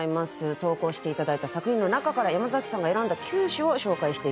投稿して頂いた作品の中から山崎さんが選んだ９首を紹介していきます。